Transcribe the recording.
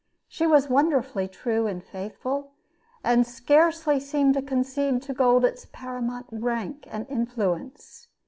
She was wonderfully true and faithful, and scarcely seemed to concede to gold its paramount rank and influence.